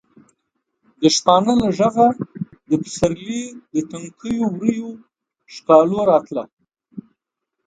د شپانه له غږه د پسرلي د تنکیو ورویو ښکالو راتله.